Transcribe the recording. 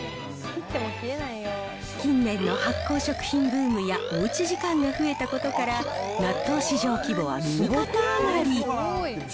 近年の発酵食品ブームやおうち時間が増えたことから、納豆市場規模は右肩上がり。